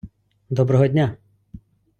доброго дня!